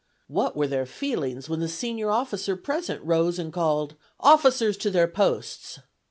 What were their feelings when the senior officer present rose and called, "Officers to their posts!"